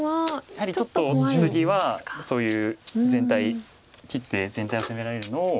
やはりちょっとツギはそういう切って全体を攻められるのを。